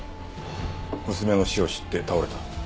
娘の死を知って倒れた。